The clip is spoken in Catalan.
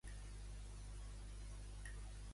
Quines poblacions va establir Tlepòlem allà?